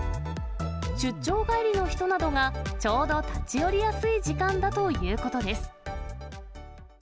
出張帰りの人などが、ちょうど立ち寄りやすい時間だということです。